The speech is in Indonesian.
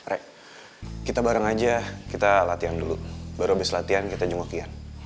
rai kita bareng aja kita latihan dulu baru abis latihan kita junggok ian